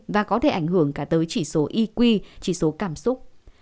và có thể ảnh hưởng cả tới chỉ số y quy chỉ số cảm xúc